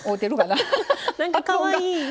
なんかかわいい。